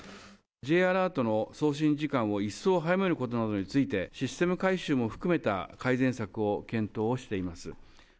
Ｊアラートの送信時間を一層早めることなどについて、システム改修も含めた改善策を検討をしています。